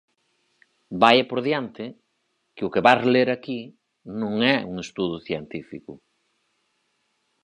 Vaia por diante que o que vas ler aquí non é un estudo científico.